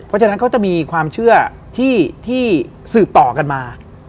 เพราะฉะนั้นเขาจะมีความเชื่อที่สืบต่อกันมา